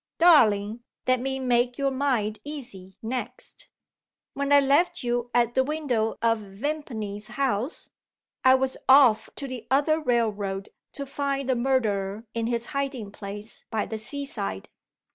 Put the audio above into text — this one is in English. Darling, let me make your mind easy next. "When I left you at the window of Vimpany's house, I was off to the other railroad to find the murderer in his hiding place by the seaside.